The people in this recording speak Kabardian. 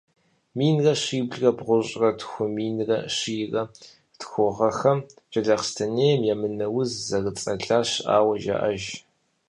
Минрэ щиблрэ бгъущӀрэ тху-минрэ щийрэ тху гъэхэм Джылахъстэнейм емынэ уз зэрыцӀалэ щыӀауэ жаӀэж.